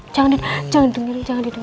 jangan didungi jangan didungi jangan didungi